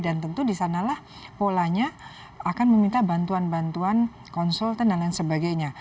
dan tentu disanalah polanya akan meminta bantuan bantuan konsultan dan lain sebagainya